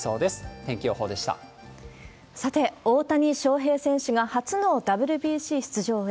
天気予さて、大谷翔平選手が初のＷＢＣ出場へ。